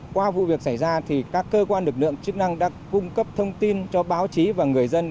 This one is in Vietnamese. qua vụ việc xảy ra các cơ quan lực lượng chức năng đã cung cấp thông tin cho báo chí và người dân